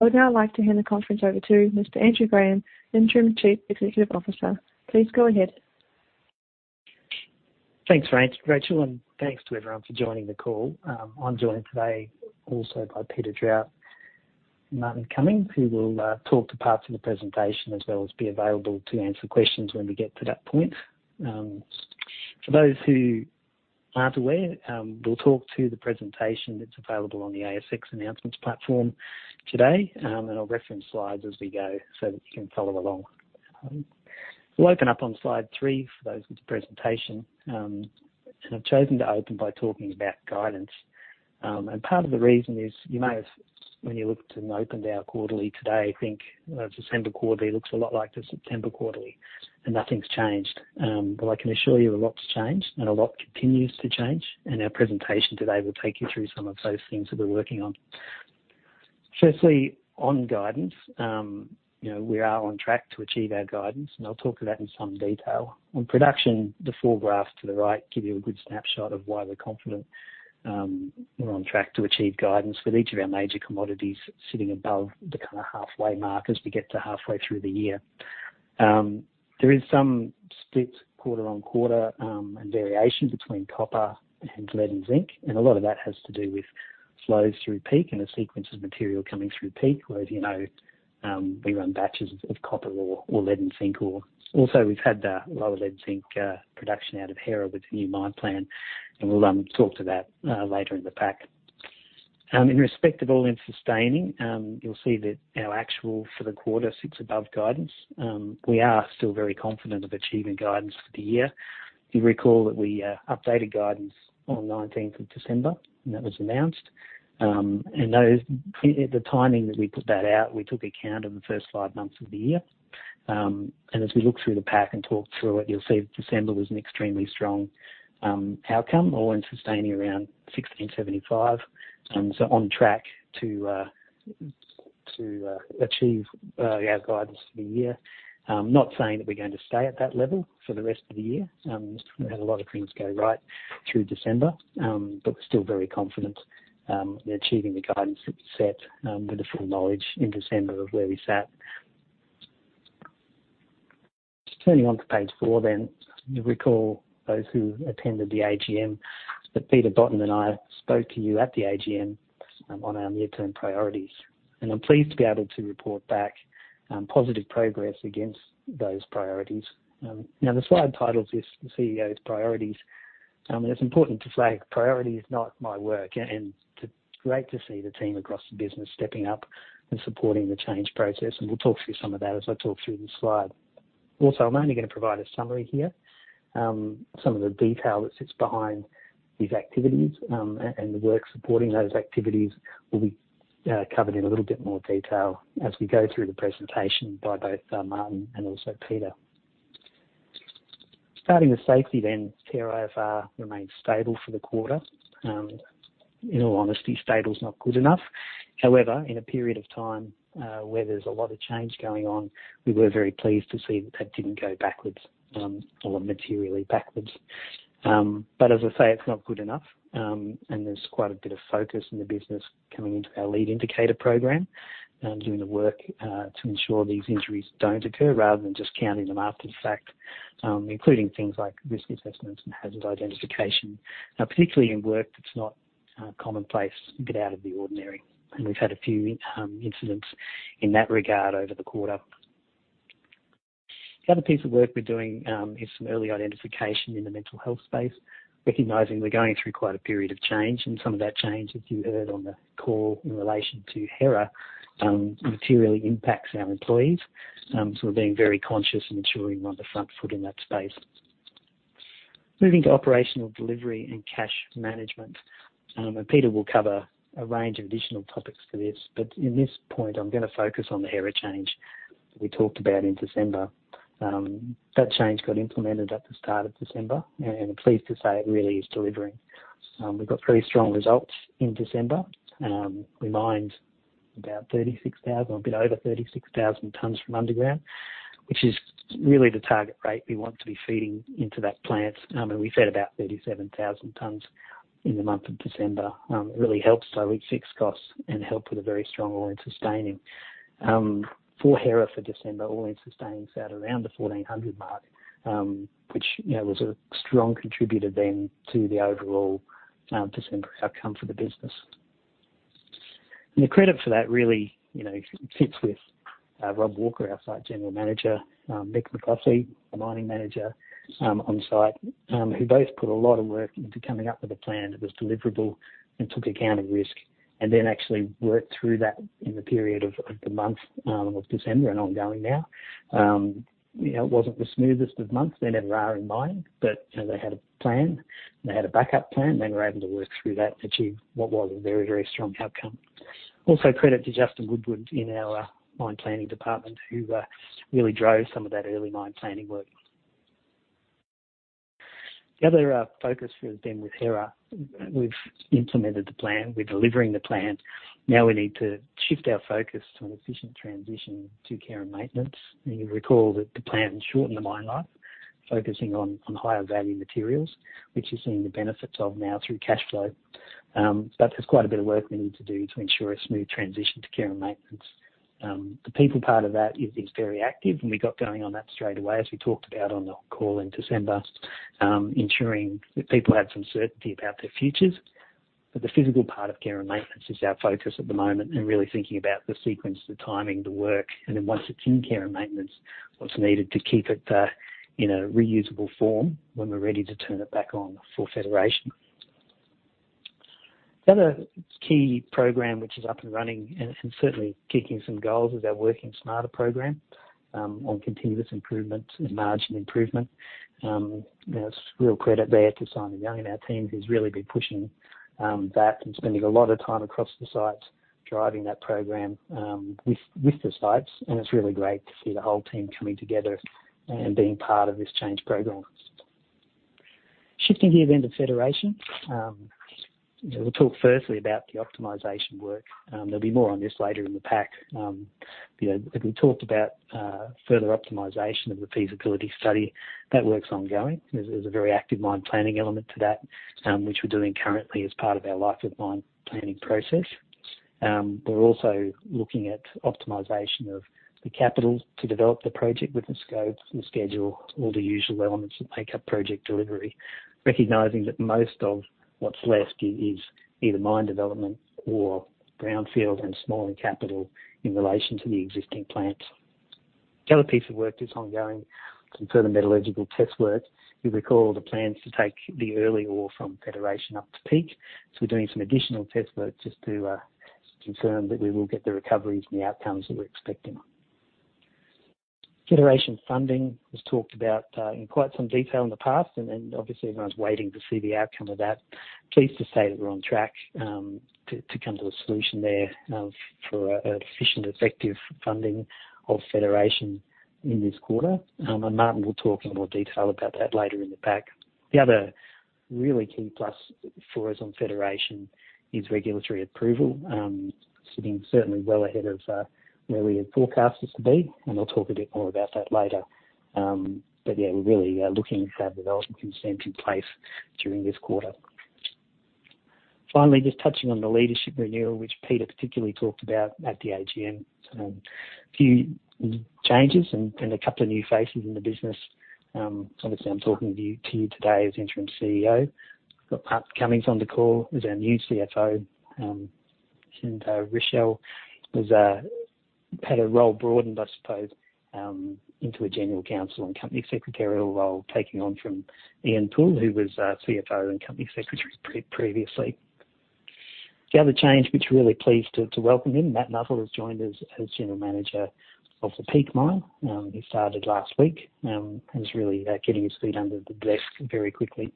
I would now like to hand the conference over to Mr. Andrew Graham, Interim Chief Executive Officer. Please go ahead. Thanks, Rachel, and thanks to everyone for joining the call. I'm joined today also by Peter Trout and Martin Cummings, who will talk to parts of the presentation as well as be available to answer questions when we get to that point. For those who aren't aware, we'll talk to the presentation that's available on the ASX announcements platform today, and I'll reference slides as we go so that you can follow along. We'll open up on slide three for those with the presentation. I've chosen to open by talking about guidance. Part of the reason is you may have, when you looked and opened our quarterly today, think the December quarterly looks a lot like the September quarterly and nothing's changed. I can assure you a lot's changed and a lot continues to change, Our presentation today will take you through some of those things that we're working on. Firstly, on guidance, you know, we are on track to achieve our guidance, I'll talk to that in some detail. On production, the four graphs to the right give you a good snapshot of why we're confident, we're on track to achieve guidance with each of our major commodities sitting above the kinda halfway mark as we get to halfway through the year. There is some strict quarter-on-quarter, and variation between copper and lead and zinc. A lot of that has to do with flows through Peak and the sequence of material coming through Peak, where, you know, we run batches of copper ore or lead and zinc ore. Also, we've had the lower lead zinc production out of Hera with the new mine plan, and we'll talk to that later in the pack. In respect of All-In Sustaining, you'll see that our actual for the quarter sits above guidance. We are still very confident of achieving guidance for the year. You recall that we updated guidance on 19th of December, and that was announced. Those the timing that we put that out, we took account of the first five months of the year. As we look through the pack and talk through it, you'll see that December was an extremely strong outcome, All-In Sustaining around 1,675, so on track to achieve our guidance for the year. Not saying that we're going to stay at that level for the rest of the year, just had a lot of things go right through December, but we're still very confident in achieving the guidance that we set with the full knowledge in December of where we sat. Turning on to page four then. You recall those who attended the AGM, that Peter Botten and I spoke to you at the AGM on our near term priorities. I'm pleased to be able to report back positive progress against those priorities. Now the slide title is The CEO's Priorities. It's important to flag priority is not my work, and great to see the team across the business stepping up and supporting the change process, and we'll talk through some of that as I talk through this slide. I'm only gonna provide a summary here. Some of the detail that sits behind these activities, and the work supporting those activities will be covered in a little bit more detail as we go through the presentation by both Martin and also Peter. Starting with safety, then TRIFR remained stable for the quarter. In all honesty, stable is not good enough. In a period of time, where there's a lot of change going on, we were very pleased to see that that didn't go backwards, or materially backwards. As I say, it's not good enough. There's quite a bit of focus in the business coming into our lead indicator program and doing the work to ensure these injuries don't occur rather than just counting them after the fact, including things like risk assessments and hazard identification. Particularly in work that's not commonplace but out of the ordinary. We've had a few incidents in that regard over the quarter. The other piece of work we're doing is some early identification in the mental health space, recognizing we're going through quite a period of change and some of that change, as you heard on the call in relation to Hera, materially impacts our employees. We're being very conscious in ensuring we're on the front foot in that space. Moving to operational delivery and cash management. Peter will cover a range of additional topics for this. In this point, I'm gonna focus on the Hera change that we talked about in December. That change got implemented at the start of December, and I'm pleased to say it really is delivering. We've got very strong results in December. We mined about 36,000, a bit over 36,000 tons from underground, which is really the target rate we want to be feeding into that plant. We fed about 37,000 tons in the month of December. It really helps to reduce fixed costs and help with a very strong All-In Sustaining Cost. For Hera for All-In Sustaining Cost is out around the 1,400 mark, which, you know, was a strong contributor then to the overall December outcome for the business. The credit for that really, you know, sits with Rob Walker, our site general manager, Mick McCluskey, the mining manager, on site, who both put a lot of work into coming up with a plan that was deliverable and took account of risk and then actually worked through that in the period of the month of December and ongoing now. You know, it wasn't the smoothest of months. They never are in mining, but, you know, they had a plan. They had a backup plan. They were able to work through that to achieve what was a very, very strong outcome. Also credit to Justin Woodward in our mine planning department, who really drove some of that early mine planning work. The other focus has been with Hera. We've implemented the plan. We're delivering the plan. Now we need to shift our focus to an efficient transition to care and maintenance. You recall that the plan shortened the mine life, focusing on higher value materials, which you're seeing the benefits of now through cash flow. That is quite a bit of work we need to do to ensure a smooth transition to care and maintenance. The people part of that is very active, and we got going on that straight away, as we talked about on the call in December. Ensuring that people have some certainty about their futures. The physical part of care and maintenance is our focus at the moment, and really thinking about the sequence, the timing, the work, and then once it's in care and maintenance, what's needed to keep it in a reusable form when we're ready to turn it back on for Federation. The other key program which is up and running and certainly kicking some goals is our Working Smarter Program on continuous improvement and margin improvement. You know, it's real credit there to Simon Young and our team who's really been pushing that and spending a lot of time across the sites driving that program with the sites. It's really great to see the whole team coming together and being part of this change program. Shifting gears into Federation. We'll talk firstly about the optimization work. There'll be more on this later in the pack. You know, we talked about further optimization of the feasibility study. That work's ongoing. There's a very active mine planning element to that, which we're doing currently as part of our life of mine planning process. We're also looking at optimization of the capital to develop the project within scope and schedule, all the usual elements that make up project delivery, recognizing that most of what's left is either mine development or brownfield and smaller capital in relation to the existing plants. The other piece of work that's ongoing, some further metallurgical test work. You'll recall the plans to take the early ore from Federation up to Peak. We're doing some additional test work just to confirm that we will get the recoveries and the outcomes that we're expecting. Federation funding was talked about in quite some detail in the past, and obviously everyone's waiting to see the outcome of that. Pleased to say that we're on track to come to a solution there for an efficient, effective funding of Federation in this quarter. Martin will talk in more detail about that later in the pack. The other really key plus for us on Federation is regulatory approval, sitting certainly well ahead of where we had forecast this to be, and I'll talk a bit more about that later. Yeah, we're really looking to have development consent in place during this quarter. Finally, just touching on the leadership renewal, which Peter particularly talked about at the AGM. A few changes and a couple of new faces in the business. Obviously I'm talking to you today as interim CEO. We've got Martin Cummings on the call as our new CFO. Rochelle has had a role broadened, I suppose, into a general counsel and company secretarial role, taking on from Ian Poole, who was CFO and company secretary previously. The other change which we're really pleased to welcome in, Matt Nuttall has joined as General Manager of the Peak Mine. He started last week, and is really getting his feet under the desk very quickly.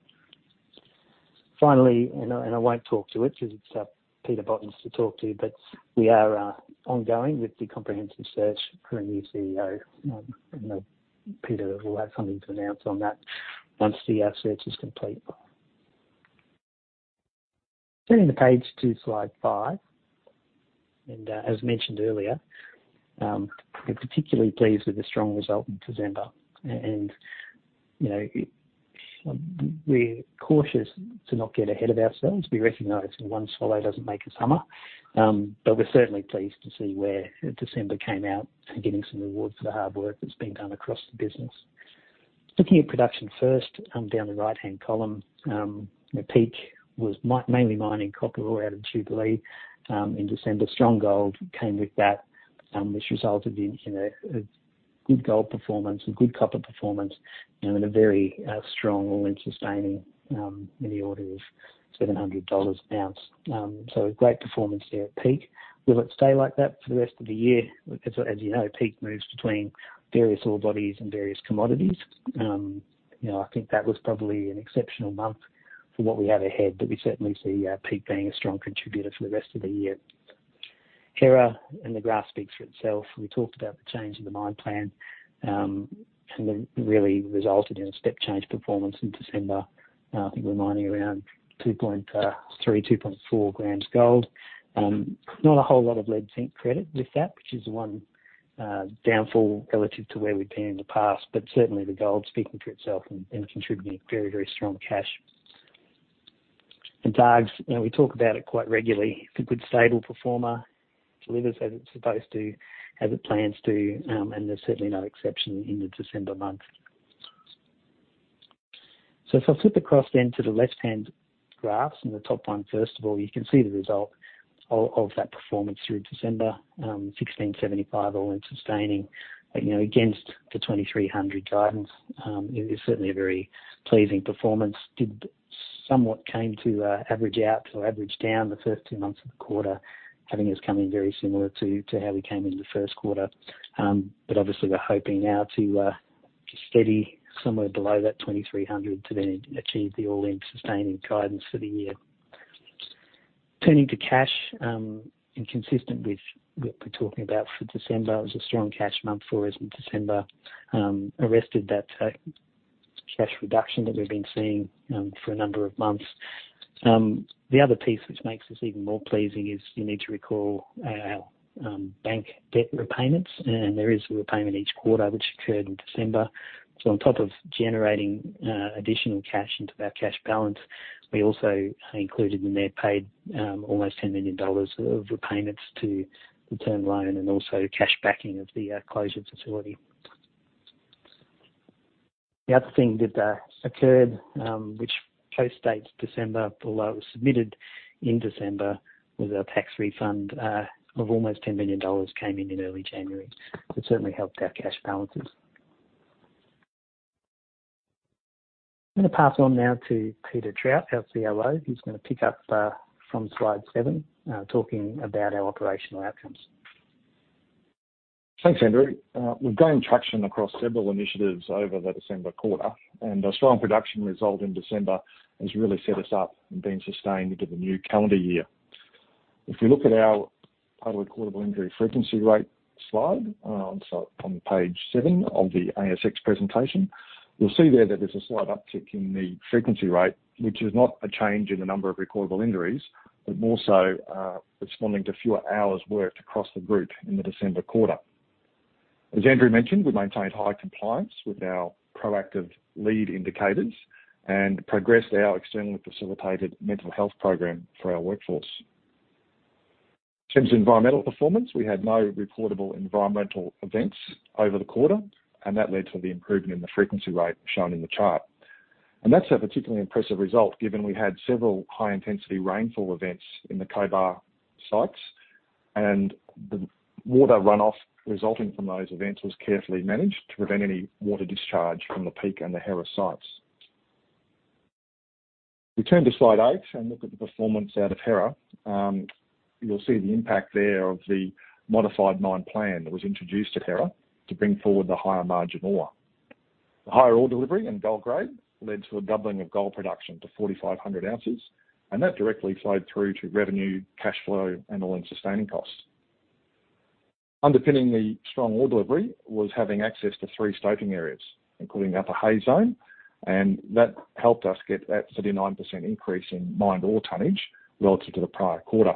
Finally, I won't talk to it because it's Peter Botten's to talk to, but we are ongoing with the comprehensive search for a new CEO. Peter will have something to announce on that once the search is complete. Turning the page to slide five, as mentioned earlier, we're particularly pleased with the strong result in December. You know, it... We're cautious to not get ahead of ourselves. We recognize that one swallow doesn't make a summer. We're certainly pleased to see where December came out and getting some rewards for the hard work that's been done across the business. Looking at production first, down the right-hand column. You know, Peak was mainly mining copper ore out of Jubilee in December. Strong gold came with that, which resulted in a good gold performance and good copper performance, you know, and a very strong All-In Sustaining in the order of 700 dollars an ounce. A great performance there at Peak. Will it stay like that for the rest of the year? As you know, Peak moves between various ore bodies and various commodities. You know, I think that was probably an exceptional month for what we have ahead. We certainly see Peak being a strong contributor for the rest of the year. Hera, the graph speaks for itself. We talked about the change in the mine plan. That really resulted in a step change performance in December. I think we're mining around 2.3, 2.4 grams gold. Not a whole lot of lead zinc credit with that, which is one downfall relative to where we've been in the past. Certainly the gold speaking for itself and contributing very, very strong cash. Dargues, you know, we talk about it quite regularly. It's a good stable performer. Delivers as it's supposed to, as it plans to. There's certainly no exception in the December month. If I flip across then to the left-hand graphs and the top one, first of all, you can see the result of that performance through December, 1,675 All-In Sustaining. You know, against the 2,300 guidance, it is certainly a very pleasing performance. Did somewhat came to average out or average down the first two months of the quarter, having us come in very similar to how we came in the first quarter. Obviously we're hoping now to steady somewhere below that 2,300 to then achieve the All-In Sustaining guidance for the year. Turning to cash, consistent with what we're talking about for December, it was a strong cash month for us in December, arrested that cash reduction that we've been seeing for a number of months. The other piece which makes this even more pleasing is you need to recall our bank debt repayments. There is a repayment each quarter which occurred in December. On top of generating additional cash into our cash balance, we also included in there, paid almost 10 million dollars of repayments to the term loan, and also cash backing of the closure facility. The other thing that occurred, which post-dates December, although it was submitted in December, was a tax refund of almost 10 million dollars, came in in early January. It certainly helped our cash balances. I'm gonna pass on now to Peter Trout, our COO, who's gonna pick up from slide seven, talking about our operational outcomes. Thanks, Andrew. We've gained traction across several initiatives over the December quarter. A strong production result in December has really set us up and been sustained into the new calendar year. If you look at our total recordable injury frequency rate slide, on page seven of the ASX presentation, you'll see there that there's a slight uptick in the frequency rate, which is not a change in the number of recordable injuries, but more so, responding to fewer hours worked across the group in the December quarter. As Andrew mentioned, we maintained high compliance with our proactive lead indicators and progressed our externally facilitated mental health program for our workforce. In terms of environmental performance, we had no reportable environmental events over the quarter. That led to the improvement in the frequency rate shown in the chart. That's a particularly impressive result given we had several high-intensity rainfall events in the Cobar sites, and the water runoff resulting from those events was carefully managed to prevent any water discharge from the Peak and the Hera sites. You'll see the impact there of the modified mine plan that was introduced at Hera to bring forward the higher margin ore. The higher ore delivery and gold grade led to a doubling of gold production to 4,500 ounces, and that directly flowed through to revenue, cash flow, and All-In Sustaining Costs. Underpinning the strong ore delivery was having access to three stoping areas, including the Upper Hay Zone, and that helped us get that 39% increase in mined ore tonnage relative to the prior quarter.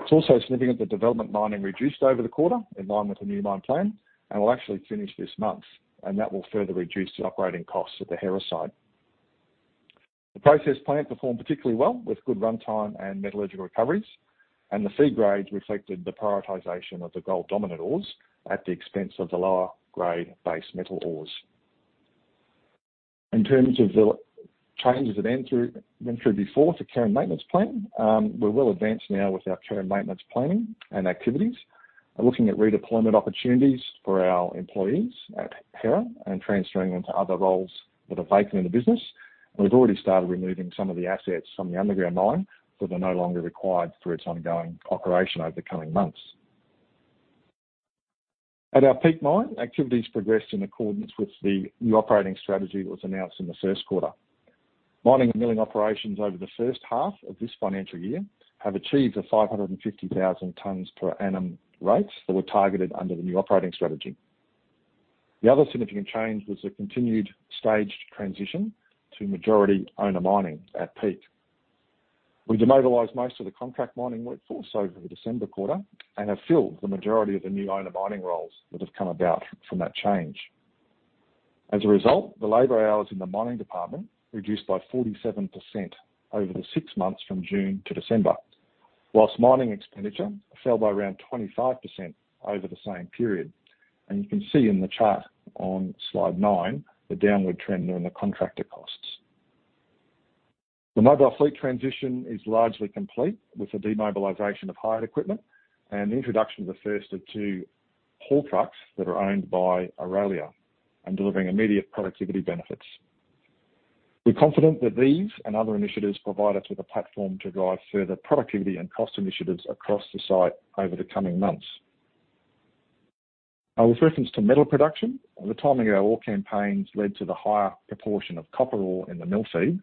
It's also significant the development mining reduced over the quarter in line with the new mine plan and will actually finish this month. That will further reduce the operating costs at the Hera site. The process plant performed particularly well with good runtime and metallurgical recoveries. The feed grades reflected the prioritization of the gold-dominant ores at the expense of the lower grade base metal ores. In terms of the changes that Andrew went through before to care and maintenance plan, we're well advanced now with our care and maintenance planning and activities. We're looking at redeployment opportunities for our employees at Hera and transferring them to other roles that are vacant in the business. We've already started removing some of the assets from the underground mine that are no longer required for its ongoing operation over the coming months. At our Peak Mine, activities progressed in accordance with the new operating strategy that was announced in the first quarter. Mining and milling operations over the first half of this financial year have achieved the 550,000 tons per annum rates that were targeted under the new operating strategy. The other significant change was the continued staged transition to majority owner mining at Peak. We demobilized most of the contract mining workforce over the December quarter and have filled the majority of the new owner mining roles that have come about from that change. The labor hours in the mining department reduced by 47% over the six months from June to December, whilst mining expenditure fell by around 25% over the same period. You can see in the chart on slide nie the downward trend there in the contractor costs. The mobile fleet transition is largely complete with the demobilization of hired equipment and the introduction of the first of two haul trucks that are owned by Aurelia and delivering immediate productivity benefits. We're confident that these and other initiatives provide us with a platform to drive further productivity and cost initiatives across the site over the coming months. With reference to metal production, the timing of our ore campaigns led to the higher proportion of copper ore in the mill feed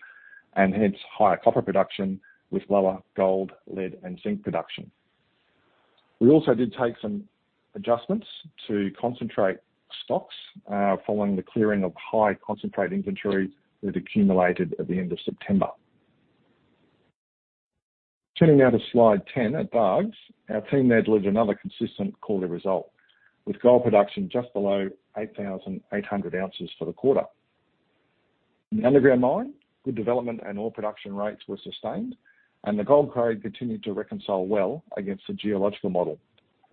and hence higher copper production with lower gold, lead, and zinc production. We also did take some adjustments to concentrate stocks, following the clearing of high concentrate inventory that accumulated at the end of September. Turning to slide 10 at Dargues, our team there delivered another consistent quarterly result with gold production just below 8,800 ounces for the quarter. In the underground mine, good development and ore production rates were sustained, and the gold grade continued to reconcile well against the geological model.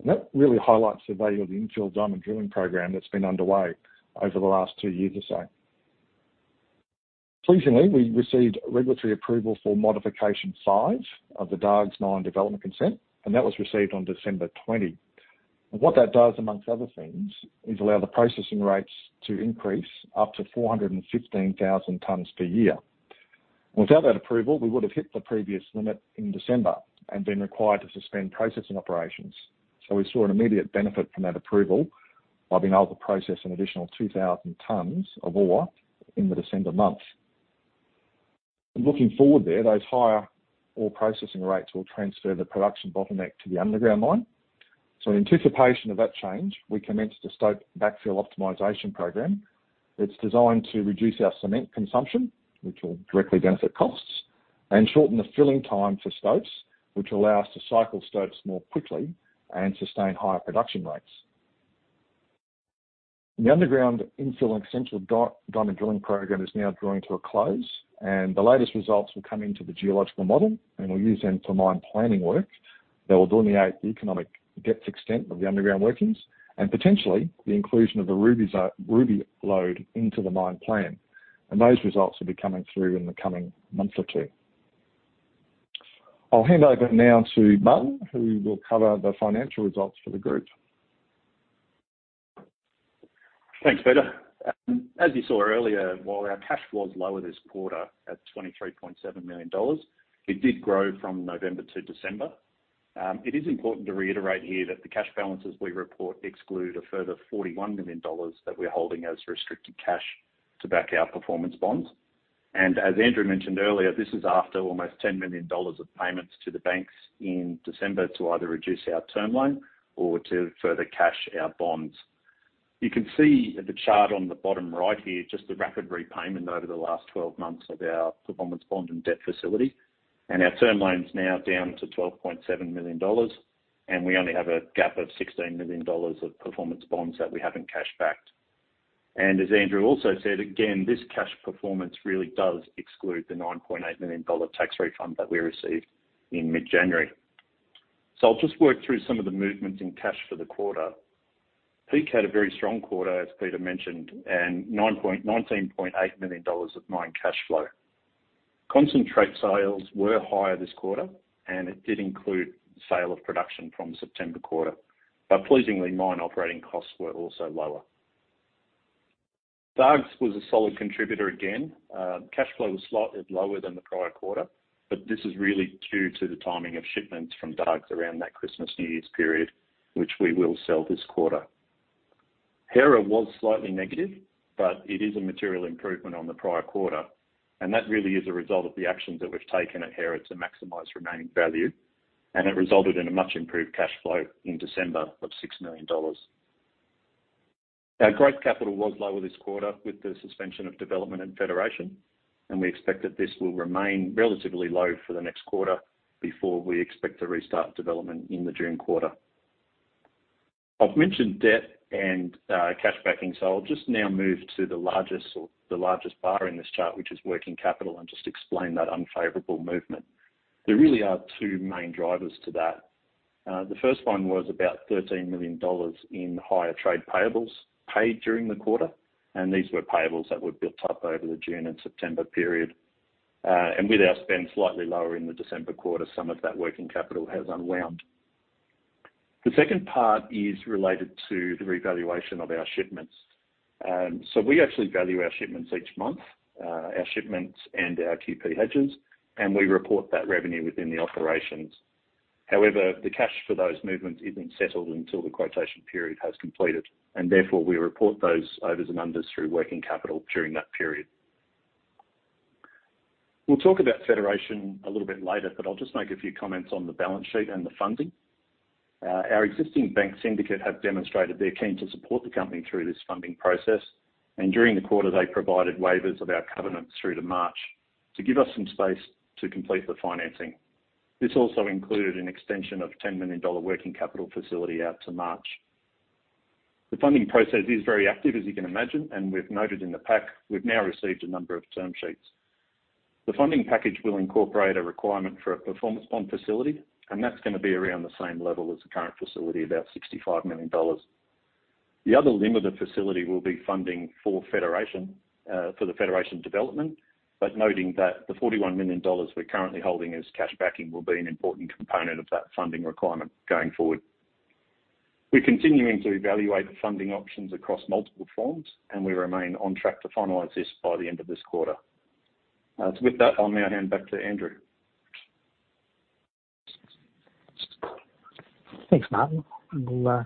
That really highlights the value of the infill diamond drilling program that's been underway over the last two years or so. Pleasingly, we received regulatory approval for modification size of the Dargues mine development consent, and that was received on December 20. What that does, amongst other things, is allow the processing rates to increase up to 415,000 tons per year. Without that approval, we would have hit the previous limit in December and been required to suspend processing operations. We saw an immediate benefit from that approval by being able to process an additional 2,000 tons of ore in the December month. Looking forward there, those higher ore processing rates will transfer the production bottleneck to the underground mine. In anticipation of that change, we commenced a stope backfill optimization program. It's designed to reduce our cement consumption, which will directly benefit costs, and shorten the filling time for stopes, which will allow us to cycle stopes more quickly and sustain higher production rates. The underground infill and central diamond drilling program is now drawing to a close, and the latest results will come into the geological model, and we'll use them for mine planning work that will delineate the economic depth extent of the underground workings and potentially the inclusion of the Ruby Lode into the mine plan. Those results will be coming through in the coming month or two. I'll hand over now to Martin, who will cover the financial results for the group. Thanks, Peter. As you saw earlier, while our cash was lower this quarter at 23.7 million dollars, it did grow from November to December. It is important to reiterate here that the cash balances we report exclude a further 41 million dollars that we're holding as restricted cash to back our performance bonds. As Andrew mentioned earlier, this is after almost 10 million dollars of payments to the banks in December to either reduce our term loan or to further cash our bonds. You can see the chart on the bottom right here, just the rapid repayment over the last 12 months of our performance bond and debt facility. Our term loan is now down to 12.7 million dollars, and we only have a gap of 16 million dollars of performance bonds that we haven't cash backed. As Andrew also said, again, this cash performance really does exclude the 9.8 million dollar tax refund that we received in mid-January. I'll just work through some of the movements in cash for the quarter. Peak had a very strong quarter, as Peter mentioned, and 19.8 million dollars of mine cash flow. Concentrate sales were higher this quarter, and it did include sale of production from the September quarter. Pleasingly, mine operating costs were also lower. Dargues was a solid contributor again. Cash flow was slightly lower than the prior quarter, but this is really due to the timing of shipments from Dargues around that Christmas, New Year's period, which we will sell this quarter. Hera was slightly negative, it is a material improvement on the prior quarter, that really is a result of the actions that we've taken at Hera to maximize remaining value, it resulted in a much improved cash flow in December of 6 million dollars. Our growth capital was lower this quarter with the suspension of development in Federation, we expect that this will remain relatively low for the next quarter before we expect to restart development in the June quarter. I've mentioned debt and cash backing, I'll just now move to the largest or the largest bar in this chart, which is working capital, just explain that unfavorable movement. There really are two main drivers to that. The first one was about 13 million dollars in higher trade payables paid during the quarter, and these were payables that were built up over the June and September period. With our spend slightly lower in the December quarter, some of that working capital has unwound. The second part is related to the revaluation of our shipments. We actually value our shipments each month, our shipments and our QP hedges, and we report that revenue within the operations. However, the cash for those movements isn't settled until the quotation period has completed, and therefore we report those overs and unders through working capital during that period. We'll talk about Federation a little bit later, but I'll just make a few comments on the balance sheet and the funding. Our existing bank syndicate have demonstrated they're keen to support the company through this funding process. During the quarter, they provided waivers of our covenants through to March to give us some space to complete the financing. This also included an extension of AUD 10 million working capital facility out to March. The funding process is very active, as you can imagine. We've noted in the pack, we've now received a number of term sheets. The funding package will incorporate a requirement for a performance bond facility. That's gonna be around the same level as the current facility, about 65 million dollars. The other limb of the facility will be funding for Federation, for the Federation development. Noting that the 41 million dollars we're currently holding as cash backing will be an important component of that funding requirement going forward. We're continuing to evaluate the funding options across multiple fronts, and we remain on track to finalize this by the end of this quarter. With that, I'll now hand back to Andrew. Thanks, Martin. We'll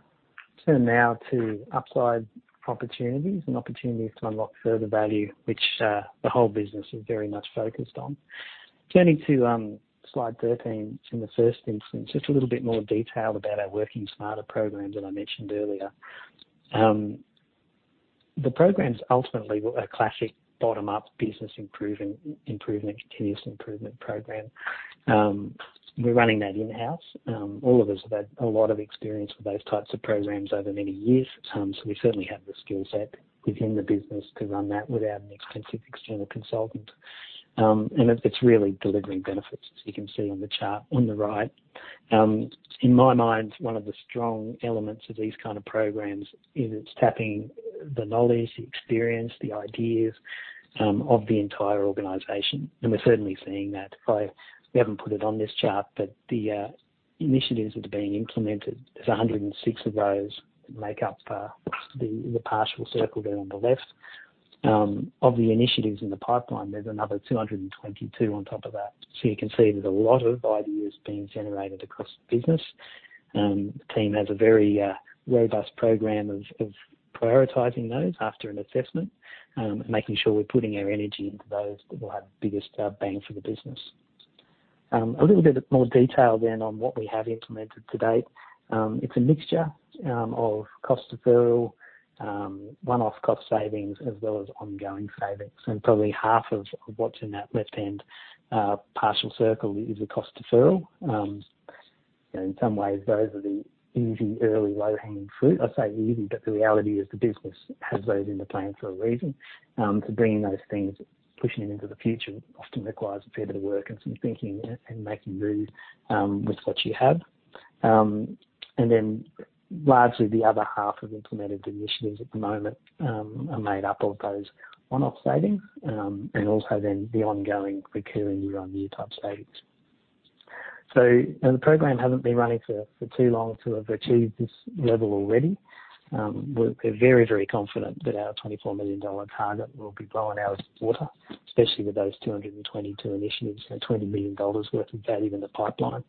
turn now to upside opportunities and opportunities to unlock further value, which the whole business is very much focused on. Turning to slide 13 in the first instance, just a little bit more detail about our Working Smarter Program that I mentioned earlier. The program's ultimately a classic bottom-up business improvement, continuous improvement program. We're running that in-house. All of us have had a lot of experience with those types of programs over many years, so we certainly have the skill set within the business to run that without an extensive external consultant. And it's really delivering benefits, as you can see on the chart on the right. In my mind, one of the strong elements of these kind of programs is it's tapping the knowledge, the experience, the ideas of the entire organization. We're certainly seeing that. We haven't put it on this chart, but the initiatives that are being implemented, there's 106 of those that make up the partial circle there on the left. Of the initiatives in the pipeline, there's another 222 on top of that. You can see there's a lot of ideas being generated across the business. The team has a very robust program of prioritizing those after an assessment, making sure we're putting our energy into those that will have biggest bang for the business. A little bit of more detail on what we have implemented to date. It's a mixture of cost deferral, one-off cost savings, as well as ongoing savings. Probably half of what's in that left-hand partial circle is a cost deferral. In some ways, those are the easy, early, low-hanging fruit. I say easy, but the reality is the business has those in the plan for a reason. Bringing those things, pushing them into the future often requires a fair bit of work and some thinking and making do with what you have. Largely the other half of implemented initiatives at the moment are made up of those one-off savings and also then the ongoing recurring year-on-year type savings. The program hasn't been running for too long to have achieved this level already. We're very, very confident that our 24 million dollar target will be blown out of the water, especially with those 222 initiatives and 20 million dollars worth of value in the pipeline.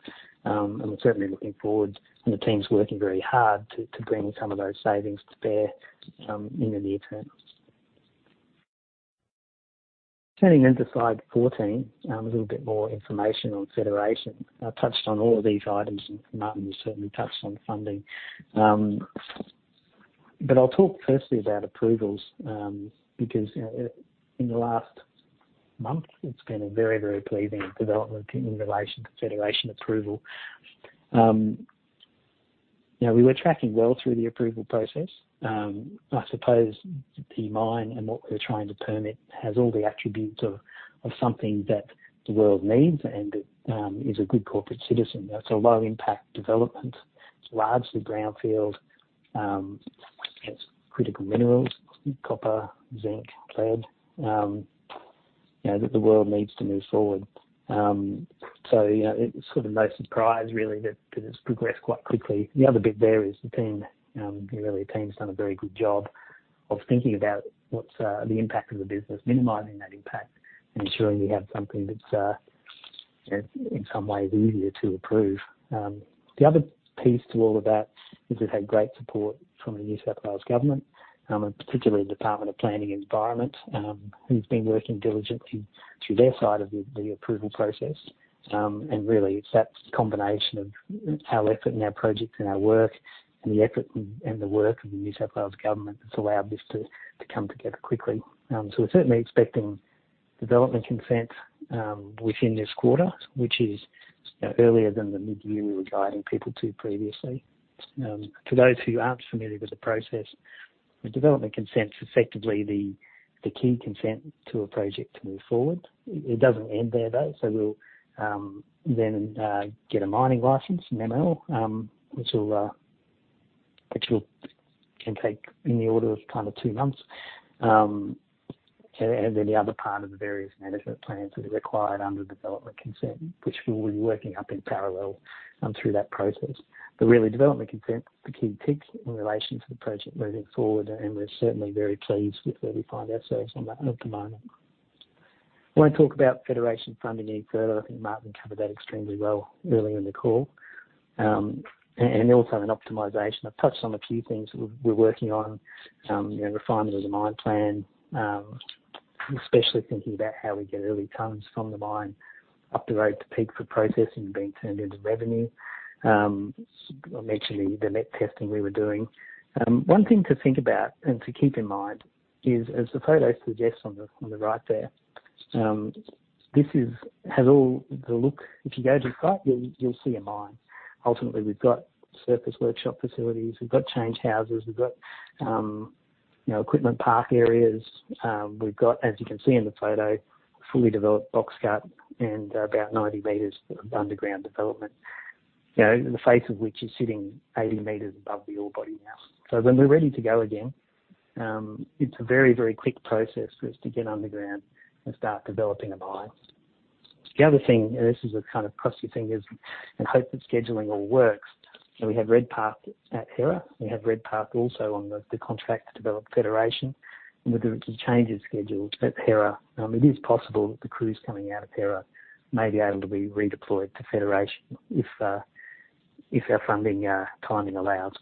We're certainly looking forward and the team's working very hard to bring some of those savings to bear in the near term. Turning to slide 14, a little bit more information on Federation. I touched on all of these items, Martin has certainly touched on funding. I'll talk firstly about approvals, because in the last month, it's been a very, very pleasing development in relation to Federation approval. You know, we were tracking well through the approval process. I suppose the mine and what we're trying to permit has all the attributes of something that the world needs and is a good corporate citizen. It's a low impact development. It's largely brownfield. It's critical minerals, copper, zinc, lead, you know, that the world needs to move forward. You know, it's sort of no surprise really that it's progressed quite quickly. The other bit there is the team. Really, the team's done a very good job of thinking about what's the impact of the business, minimizing that impact, and ensuring we have something that's, you know, in some ways easier to approve. The other piece to all of that is we've had great support from the New South Wales Government, and particularly Department of Planning and Environment, who's been working diligently through their side of the approval process. Really it's that combination of our effort and our projects and our work and the effort and the work of the New South Wales Government that's allowed this to come together quickly. We're certainly expecting Development Consent within this quarter, which is, you know, earlier than the mid-year we were guiding people to previously. To those who aren't familiar with the process, the Development Consent is effectively the key consent to a project to move forward. It doesn't end there, though. We'll then get a mining license, an ML, which can take in the order of kind of two months. Then the other part of the various management plans that are required under the Development Consent, which we'll be working up in parallel through that process. Really, Development Consent is the key tick in relation to the project moving forward, and we're certainly very pleased with where we find ourselves on that at the moment. I won't talk about Federation funding any further. I think Martin covered that extremely well earlier in the call. Also in optimization. I've touched on a few things we're working on, you know, refinement of the mine plan, especially thinking about how we get early tonnes from the mine up the road to Peak for processing being turned into revenue. I mentioned the met testing we were doing. One thing to think about and to keep in mind is, as the photo suggests on the right there, this has all the look. If you go to the site, you'll see a mine. Ultimately, we've got surface workshop facilities. We've got change houses. We've got, you know, equipment park areas. We've got, as you can see in the photo, a fully developed box cut and about 90 m of underground development. You know, the face of which is sitting 80 m above the ore body now. When we're ready to go again, it's a very, very quick process for us to get underground and start developing a mine. The other thing, this is a kind of cross your fingers and hope the scheduling all works, and we have Redpath at Hera. We have Redpath also on the contract to develop Federation. With the changes scheduled at Hera, it is possible that the crews coming out of Hera may be able to be redeployed to Federation if our funding timing allows.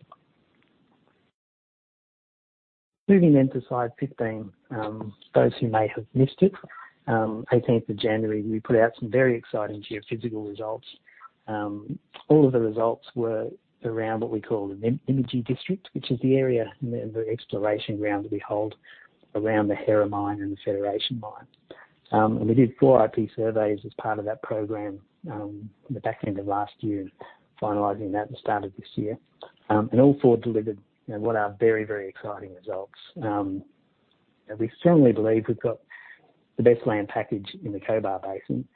Moving to slide 15. Those who may have missed it, January 18th, we put out some very exciting geophysical results. All of the results were around what we call a Nymagee district, which is the area and the exploration ground that we hold around the Hera Mine and the Federation mine. We did four IP surveys as part of that program in the back end of last year, finalizing that at the start of this year. All four delivered, you know, what are very, very exciting results. We strongly believe we've got the best land package in the Cobar Basin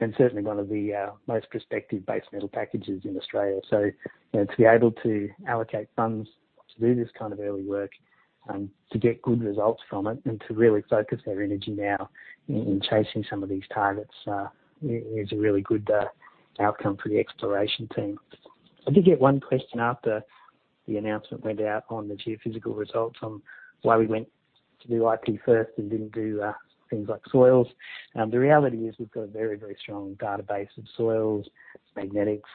and certainly one of the most prospective base metal packages in Australia. You know, to be able to allocate funds to do this kind of early work, to get good results from it and to really focus our energy now in chasing some of these targets, is a really good outcome for the exploration team. I did get one question after the announcement went out on the geophysical results on why we went to do IP first and didn't do things like soils. The reality is we've got a very, very strong database of soils, magnetics,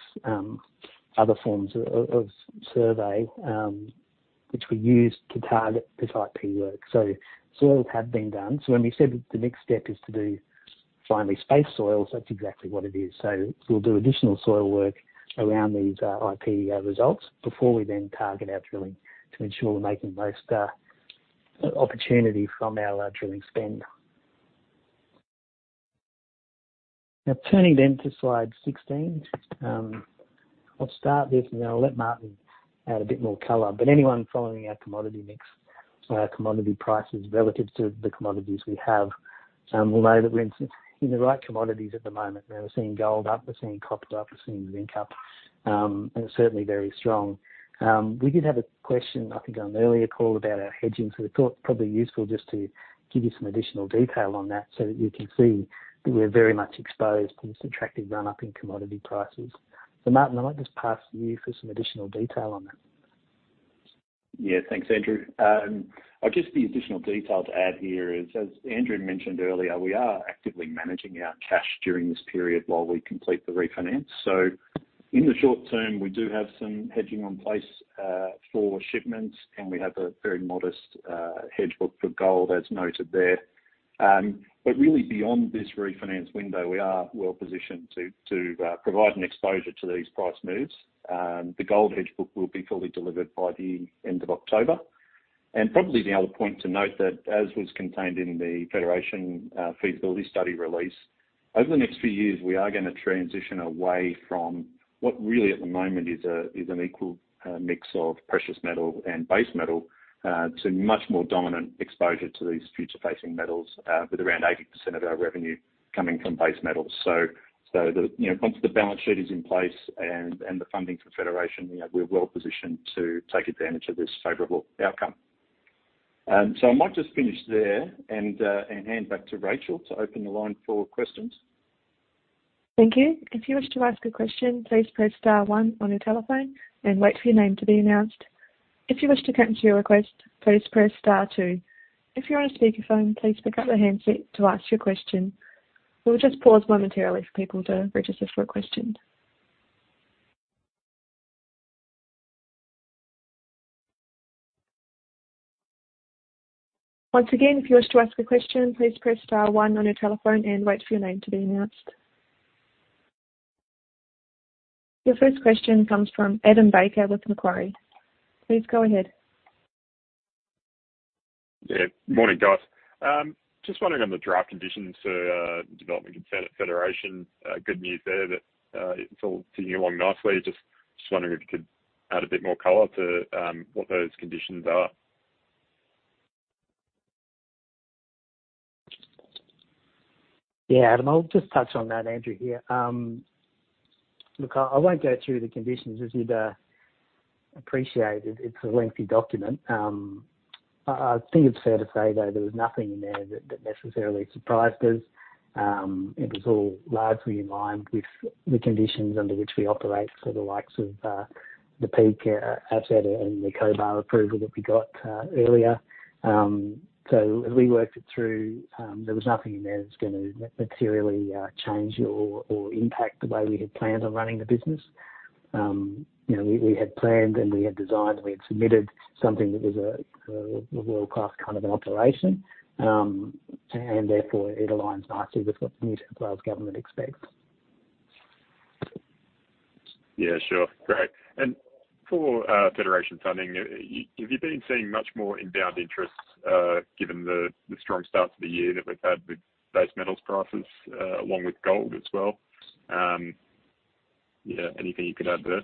other forms of survey, which we use to target this IP work. Soils have been done. When we said that the next step is to do finely spaced soils, that's exactly what it is. We'll do additional soil work around these IP results before we then target our drilling to ensure we're making most opportunity from our drilling spend. Turning then to slide 16. I'll start this and then I'll let Martin add a bit more color. Anyone following our commodity mix, our commodity prices relative to the commodities we have, will know that we're in the right commodities at the moment. You know, we're seeing gold up, we're seeing copper up, we're seeing zinc up, and certainly very strong. We did have a question, I think, on an earlier call about our hedging. We thought it probably useful just to give you some additional detail on that so that you can see that we're very much exposed to this attractive run-up in commodity prices. Martin, I might just pass to you for some additional detail on that. Thanks, Andrew. The additional detail to add here is, as Andrew mentioned earlier, we are actively managing our cash during this period while we complete the refinance. In the short term, we do have some hedging in place for shipments, and we have a very modest hedge book for gold, as noted there. Really beyond this refinance window, we are well positioned to provide an exposure to these price moves. The gold hedge book will be fully delivered by the end of October. Probably the other point to note that as was contained in the Federation, feasibility study release, over the next few years, we are gonna transition away from what really at the moment is a, is an equal mix of precious metal and base metal to much more dominant exposure to these future-facing metals with around 80% of our revenue coming from base metals. The, you know, once the balance sheet is in place and the funding for Federation, you know, we're well positioned to take advantage of this favorable outcome. I might just finish there and hand back to Rachel to open the line for questions. Thank you. If you wish to ask a question, please press star one on your telephone and wait for your name to be announced. If you wish to cancel your request, please press star two. If you're on a speakerphone, please pick up the handset to ask your question. We'll just pause momentarily for people to register for a question. Once again, if you wish to ask a question, please press star one on your telephone and wait for your name to be announced. Your first question comes from Adam Baker with Macquarie. Please go ahead. Yeah. Morning, guys. Just wondering on the draft conditions for Development Consent at Federation. Good news there that it's all ticking along nicely. Just wondering if you could add a bit more color to what those conditions are. Yeah, Adam, I'll just touch on that. Andrew here. Look, I won't go through the conditions as you'd appreciate it. It's a lengthy document. I think it's fair to say, though, there was nothing in there that necessarily surprised us. It was all largely in line with the conditions under which we operate for the likes of the Peak asset and the Cobar approval that we got earlier. As we worked it through, there was nothing in there that's gonna materially change or impact the way we had planned on running the business. You know, we had planned and we had designed and we had submitted something that was a world-class kind of an operation. Therefore it aligns nicely with what the New South Wales Government expects. Yeah, sure. Great. For Federation funding, have you been seeing much more inbound interest, given the strong start to the year that we've had with base metals prices, along with gold as well? Yeah, anything you could add there?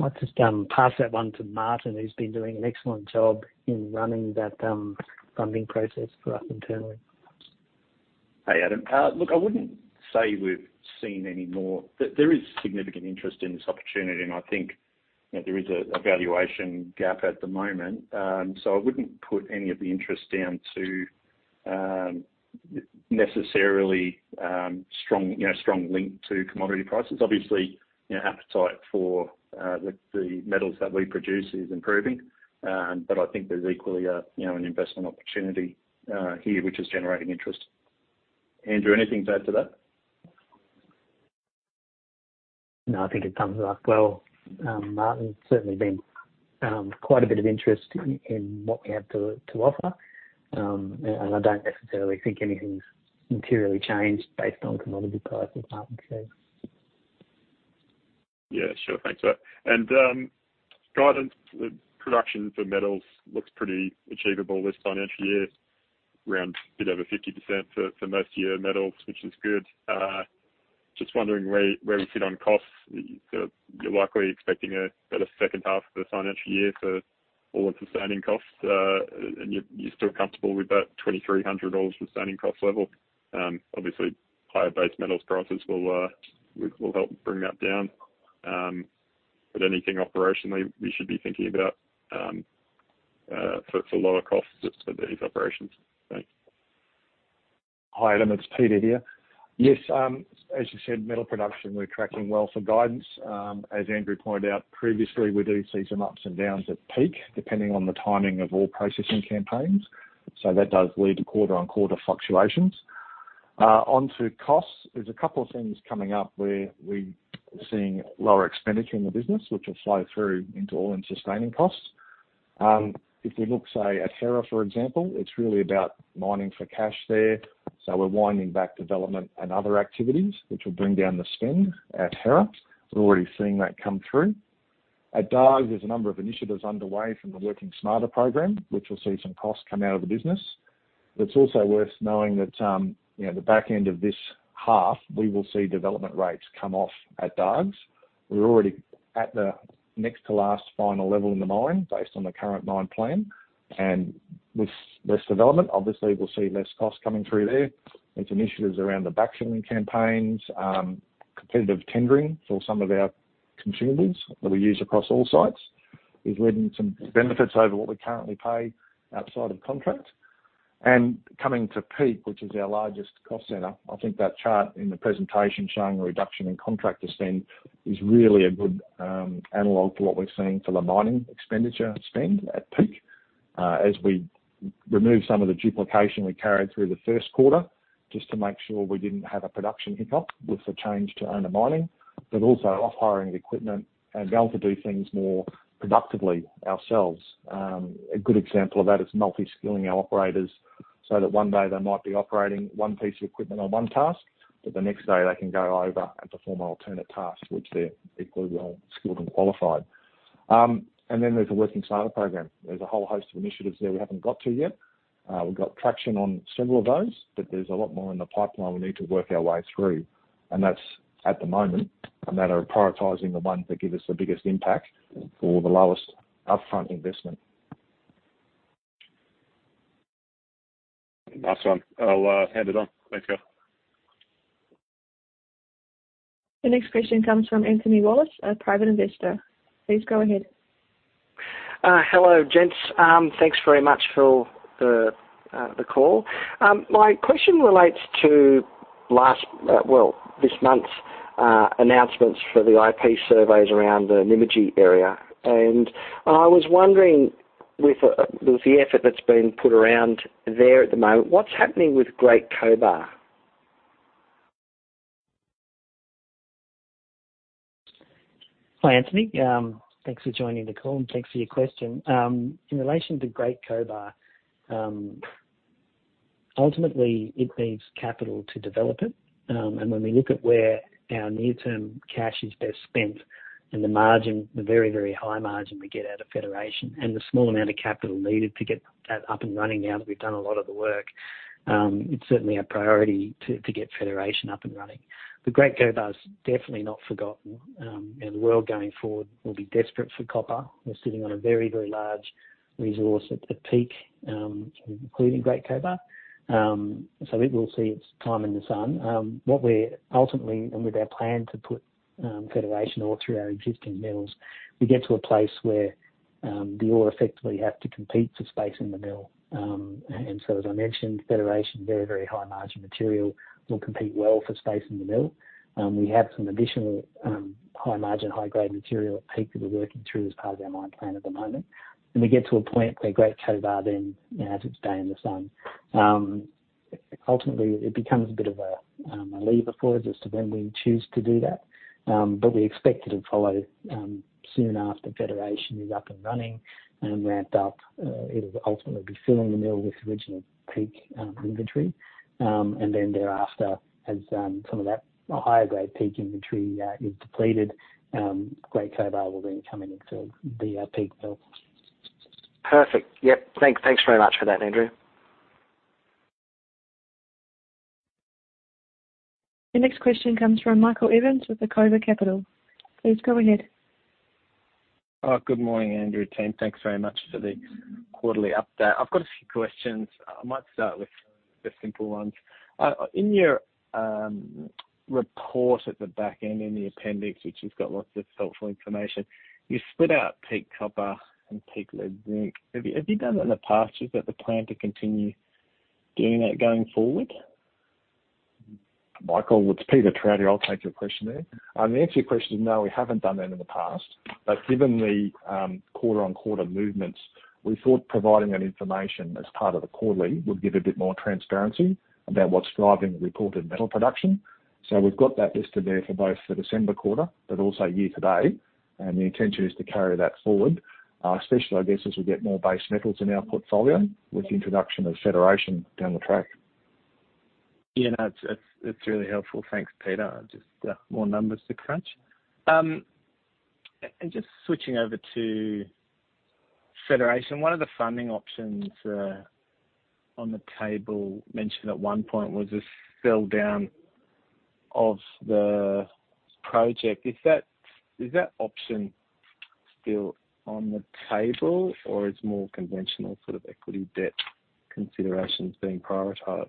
I'll just pass that one to Martin, who's been doing an excellent job in running that funding process for us internally. Hey, Adam. Look, I wouldn't say we've seen any more. There is significant interest in this opportunity. I think, you know, there is a valuation gap at the moment. I wouldn't put any of the interest down to, necessarily, strong, you know, strong link to commodity prices. Obviously, you know, appetite for the metals that we produce is improving. I think there's equally a, you know, an investment opportunity, here which is generating interest. Andrew, anything to add to that? I think it covers off well, Martin. Certainly been quite a bit of interest in what we have to offer. I don't necessarily think anything's materially changed based on commodity prices, Martin said. Yeah, sure. Thanks for that. Guidance, the production for metals looks pretty achievable this financial year. Around a bit over 50% for most year metals, which is good. Just wondering where we sit on costs. You're likely expecting a better second half of the financial year for all of sustaining costs. You're still comfortable with that 2,300 dollars sustaining cost level. Obviously higher base metals prices will help bring that down. Anything operationally we should be thinking about for lower costs at these operations? Thanks. Hi, Adam. It's Peter here. Yes, as you said, metal production, we're tracking well for guidance. As Andrew pointed out previously, we do see some ups and downs at Peak depending on the timing of all processing campaigns. That does lead to quarter-on-quarter fluctuations. Onto costs. There's a couple of things coming up where we are seeing lower expenditure in the business, which will flow through into All-In Sustaining Costs. If we look, say, at Hera, for example, it's really about mining for cash there. We're winding back development and other activities, which will bring down the spend at Hera. We're already seeing that come through. At Dargues, there's a number of initiatives underway from the Working Smarter Program, which will see some costs come out of the business. It's also worth knowing that, you know, the back end of this half, we will see development rates come off at Dargues. We're already at the next to last final level in the mine based on the current mine plan. With less development, obviously, we'll see less costs coming through there. There's initiatives around the backfilling campaigns, competitive tendering for some of our consumables that we use across all sites, is leading some benefits over what we currently pay outside of contract. Coming to Peak, which is our largest cost center, I think that chart in the presentation showing a reduction in contractor spend is really a good analog to what we're seeing for the mining expenditure spend at Peak. As we remove some of the duplication we carried through the first quarter, just to make sure we didn't have a production hiccup with the change to owner mining, but also off hiring equipment and be able to do things more productively ourselves. A good example of that is multi-skilling our operators so that one day they might be operating one piece of equipment on one task, but the next day, they can go over and perform an alternate task which they're equally well skilled and qualified. Then there's a Working Smarter Program. There's a whole host of initiatives there we haven't got to yet. We've got traction on several of those. There's a lot more in the pipeline we need to work our way through. That's at the moment, a matter of prioritizing the ones that give us the biggest impact for the lowest upfront investment. Nice one. I'll hand it on. Thanks, guys. The next question comes from Anthony Wallace at Private Investor. Please go ahead. Hello, gents. Thanks very much for the call. My question relates to last, well, this month's announcements for the IP surveys around the Nymagee area. I was wondering with the effort that's been put around there at the moment, what's happening with Great Cobar? Hi, Anthony. Thanks for joining the call, and thanks for your question. In relation to Great Cobar, ultimately, it needs capital to develop it. When we look at where our near-term cash is best spent and the margin, the very, very high margin we get out of Federation and the small amount of capital needed to get that up and running now that we've done a lot of the work, it's certainly our priority to get Federation up and running. Great Cobar is definitely not forgotten. You know, the world going forward will be desperate for copper. We're sitting on a very, very large resource at Peak, including Great Cobar. It will see its time in the sun. What we're ultimately, and with our plan to put Federation all through our existing mills, we get to a place where the ore effectively have to compete for space in the mill. As I mentioned, Federation, very, very high margin material, will compete well for space in the mill. We have some additional high margin, high-grade material at Peak that we're working through as part of our mine plan at the moment. When we get to a point where Great Cobar then has its day in the sun, ultimately it becomes a bit of a lever for us as to when we choose to do that. We expect it will follow soon after Federation is up and running and ramped up. It'll ultimately be filling the mill with original Peak inventory. Thereafter, as some of that higher grade Peak inventory is depleted, Great Cobar will then come into the Peak mill. Perfect. Yep. Thanks very much for that, Andrew. The next question comes from Michael Evans with Acova Capital. Please go ahead. Good morning, Andrew team. Thanks very much for the quarterly update. I've got a few questions. I might start with the simple ones. In your report at the back end in the appendix, which has got lots of helpful information, you split out Peak Copper and Peak Lead Zinc. Have you done that in the past? Is that the plan to continue doing that going forward? Michael, it's Peter Trout here. I'll take your question there. To answer your question, no, we haven't done that in the past, but given the quarter-on-quarter movements, we thought providing that information as part of the quarterly would give a bit more transparency about what's driving the reported metal production. We've got that listed there for both the December quarter, but also year to date. The intention is to carry that forward, especially, I guess, as we get more base metals in our portfolio with the introduction of Federation down the track. Yeah, that's really helpful. Thanks, Peter. Just more numbers to crunch. Just switching over to Federation, one of the funding options on the table mentioned at one point was a sell down of the project. Is that option still on the table or is more conventional sort of equity debt considerations being prioritized?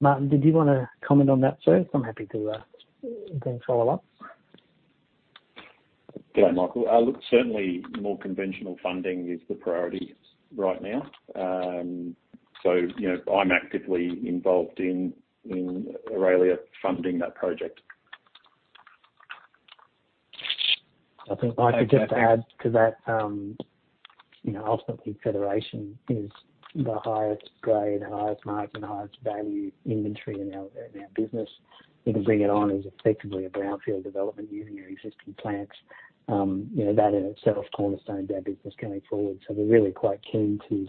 Martin, did you wanna comment on that first? I'm happy to then follow up. Yes, Michael. Look, certainly more conventional funding is the priority right now. You know, I'm actively involved in Aurelia funding that project. I think I could just add to that, you know, ultimately, Federation is the highest grade, highest margin, highest value inventory in our, in our business. We can bring it on as effectively a brownfield development using our existing plants. You know, that in itself cornerstones our business going forward. We're really quite keen to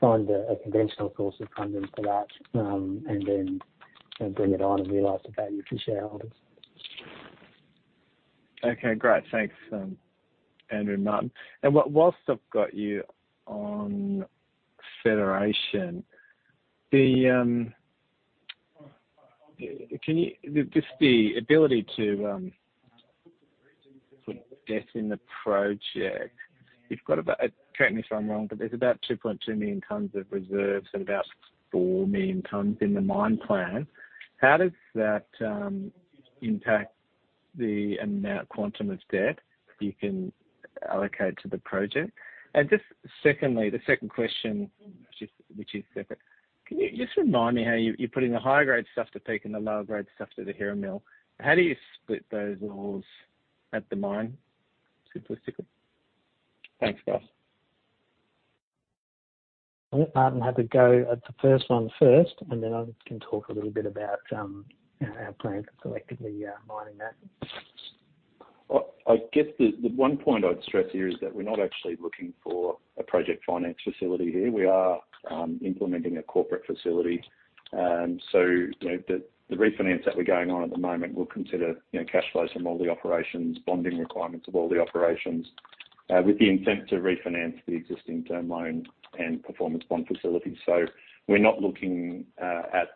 find a conventional course of funding for that, and then, you know, bring it on and realize the value for shareholders. Okay, great. Thanks, Andrew and Martin. While I've got you on Federation, just the ability to put debt in the project, correct me if I'm wrong, but there's about 2.2 million tons of reserves and about 4 million tons in the mine plan. How does that impact the amount, quantum of debt you can allocate to the project? Just secondly, the second question, which is separate. Can you just remind me how you're putting the higher grade stuff to Peak and the lower grade stuff to the Hera Mill. How do you split those ores at the mine, simplistically? Thanks, guys. I'll let Martin have a go at the first one first, and then I can talk a little bit about, you know, our plan for selectively mining that. Well, I guess the one point I'd stress here is that we're not actually looking for a project finance facility here. We are implementing a corporate facility. You know, the refinance that we're going on at the moment will consider, you know, cash flows from all the operations, bonding requirements of all the operations, with the intent to refinance the existing term loan and performance bond facilities. We're not looking at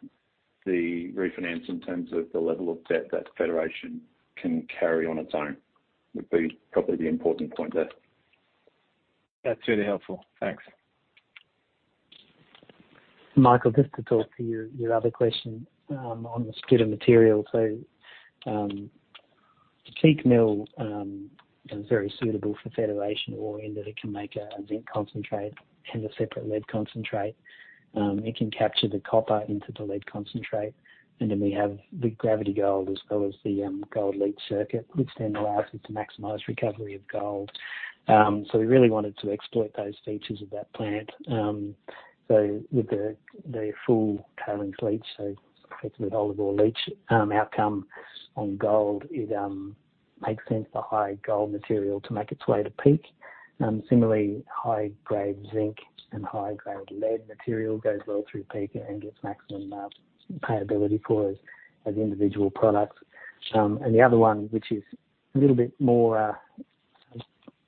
the refinance in terms of the level of debt that Federation can carry on its own, would be probably the important point there. That's really helpful. Thanks. Michael, just to talk to your other question, on the skid of material. Peak mill is very suitable for Federation ore end that it can make a zinc concentrate and a separate lead concentrate. It can capture the copper into the lead concentrate. Then we have the gravity gold as well as the gold leach circuit, which then allows it to maximize recovery of gold. We really wanted to exploit those features of that plant. With the full tailings leach, so effectively whole of ore leach, outcome on gold, it makes sense for high gold material to make its way to Peak. High grade zinc and high grade lead material goes well through Peak and gets maximum payability for as individual products. The other one, which is a little bit more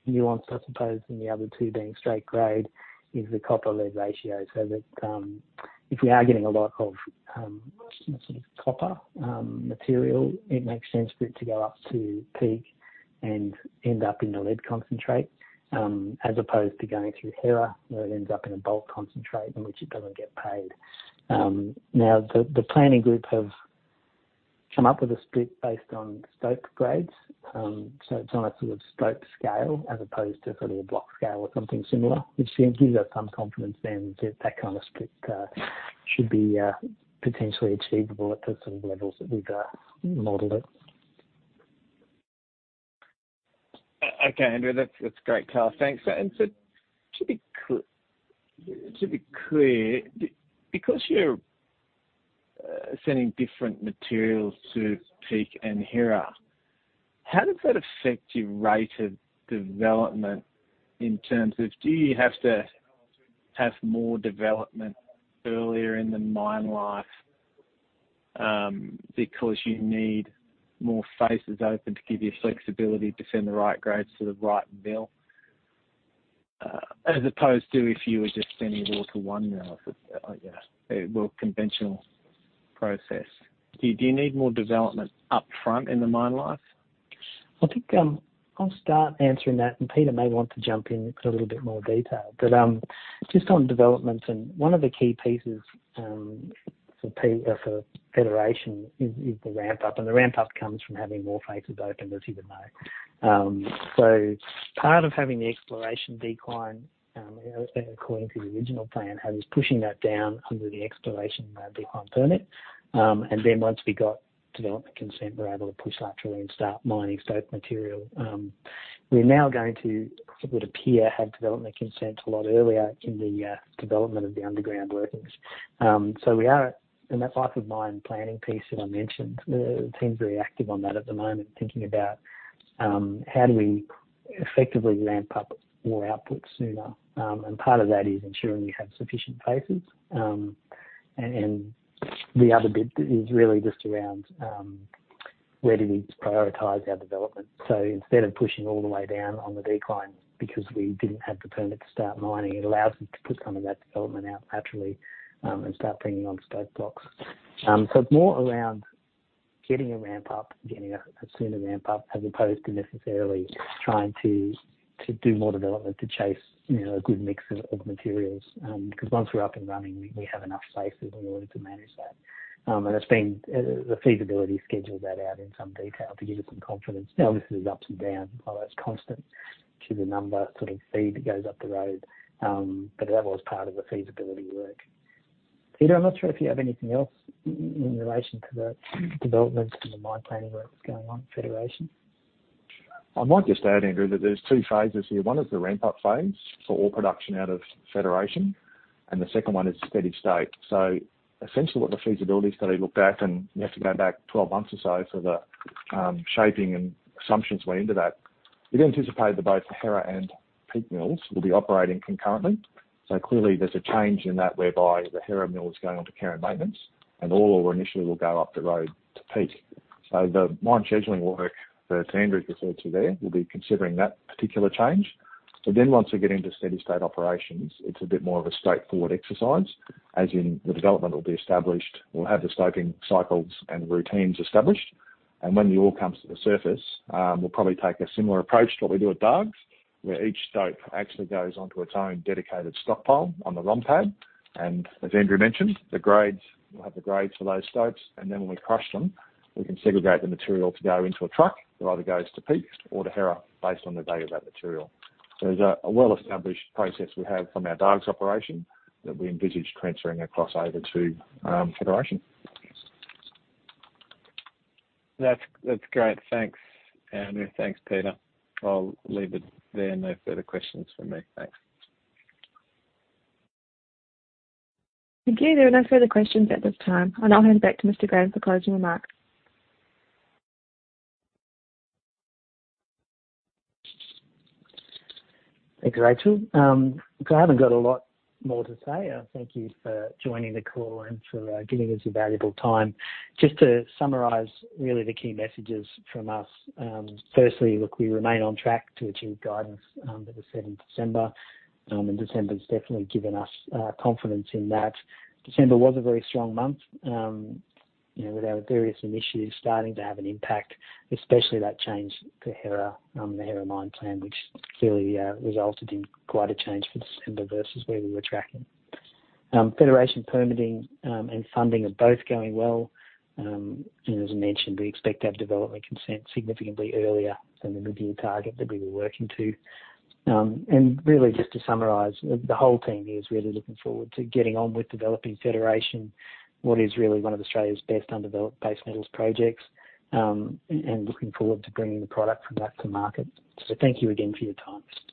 nuanced, I suppose, than the other two being straight grade is the copper-lead ratio. That, if we are getting a lot of sort of copper material, it makes sense for it to go up to Peak and end up in a lead concentrate, as opposed to going through Hera, where it ends up in a bulk concentrate in which it doesn't get paid. Now, the planning group have come up with a split based on stope grades. It's on a sort of stope scale as opposed to sort of a block scale or something similar, which seems. Gives us some confidence then that that kind of split should be potentially achievable at the sort of levels that we've modeled it. Okay, Andrew. That's great clear. Thanks. To be clear, because you're sending different materials to Peak and Hera, how does that affect your rate of development in terms of do you have to have more development earlier in the mine life, because you need more faces open to give you flexibility to send the right grades to the right mill? As opposed to if you were just sending it all to one mill, like a more conventional process. Do you need more development up front in the mine life? I think, I'll start answering that, and Peter may want to jump in with a little bit more detail. Just on development and one of the key pieces for Federation is the ramp up, and the ramp up comes from having more faces open, as you would know. Part of having the exploration decline, according to the original plan, is pushing that down under the exploration decline permit. Once we got Development Consent, we're able to push laterally and start mining stope material. We're now going to, it would appear, have Development Consent a lot earlier in the development of the underground workings. We are... In that life of mine planning piece that I mentioned, the team's very active on that at the moment, thinking about how do we effectively ramp up more output sooner. Part of that is ensuring you have sufficient faces. The other bit is really just around where do we prioritize our development? Instead of pushing all the way down on the decline because we didn't have the permit to start mining, it allows us to put some of that development out laterally and start bringing on stope blocks. It's more around getting a ramp up, getting a sooner ramp up, as opposed to necessarily trying to do more development to chase, you know, a good mix of materials. Once we're up and running, we have enough space in order to manage that. It's been the feasibility scheduled that out in some detail to give us some confidence. Now, this is up and down, although it's constant to the number sort of feed that goes up the road. That was part of the feasibility work. Peter, I'm not sure if you have anything else in relation to the developments and the mine planning work that's going on at Federation? I might just add, Andrew, that there's two phases here. One is the ramp-up phase for all production out of Federation, and the 2nd one is steady state. Essentially what the feasibility study looked at, and you have to go back 12 months or so, for the shaping and assumptions went into that. It anticipated that both the Hera and Peak Mills will be operating concurrently. Clearly there's a change in that whereby the Hera Mill is going onto care and maintenance, and all ore initially will go up the road to Peak. The mine scheduling work that Andrew referred to there will be considering that particular change. Once we get into steady state operations, it's a bit more of a straightforward exercise, as in the development will be established. We'll have the stoping cycles and routines established. When the ore comes to the surface, we'll probably take a similar approach to what we do at Dargues, where each stope actually goes onto its own dedicated stockpile on the ROM pad. As Andrew mentioned, the grades, we'll have the grades for those stopes, and then when we crush them, we can segregate the material to go into a truck that either goes to Peak or to Hera based on the value of that material. There's a well-established process we have from our Dargues operation that we envisage transferring across over to Federation. That's great. Thanks, Andrew. Thanks, Peter. I'll leave it there. No further questions from me. Thanks. Thank you. There are no further questions at this time. I'll hand back to Andrew Graham for closing remarks. Thanks, Rachel. Look, I haven't got a lot more to say. I thank you for joining the call and for giving us your valuable time. Just to summarize, really the key messages from us, firstly, look, we remain on track to achieve guidance that was set in December. December's definitely given us confidence in that. December was a very strong month, you know, with our various initiatives starting to have an impact, especially that change to Hera, the Hera mine plan which clearly resulted in quite a change for December versus where we were tracking. Federation permitting and funding are both going well. As I mentioned, we expect to have development consent significantly earlier than the mid-year target that we were working to. Really just to summarize, the whole team here is really looking forward to getting on with developing Federation, what is really one of Australia's best undeveloped base metals projects, and looking forward to bringing the product from that to market. Thank you again for your time.